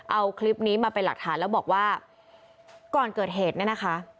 เอาคลิปนี้มาเป็นหลักฐานแล้วบอกว่าก่อนเกิดเหตุเนี่ยนะคะ